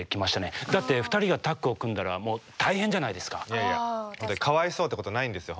いやいやかわいそうってことないんですよ